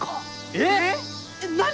えっ何！？